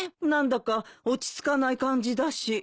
何だか落ち着かない感じだし。